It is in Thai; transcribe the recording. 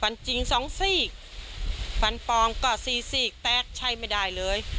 ฟันจริงสองสี่ฟันฟองก็สี่สี่แตกใช่ไม่ได้เลย